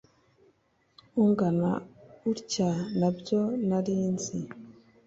ungana utya nabyo narinzi